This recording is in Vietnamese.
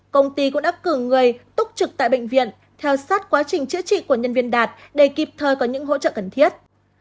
công ty cũng đã cử người túc trực tại bệnh viện theo sát quá trình chữa trị của nhân viên đạt để kịp thời có những hỗ trợ cần thiết